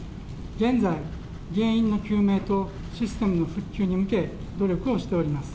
現在、原因の究明とシステムの復旧に向け、努力をしております。